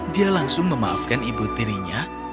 dia langsung memaafkan ibu tirinya